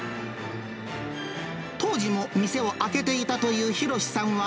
当時も店を開けていたという博さんは。